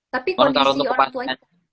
tapi kondisi orang tuanya